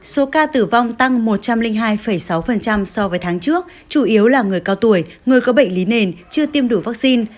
số ca tử vong tăng một trăm linh hai sáu so với tháng trước chủ yếu là người cao tuổi người có bệnh lý nền chưa tiêm đủ vaccine